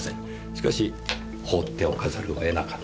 しかし放っておかざるをえなかった。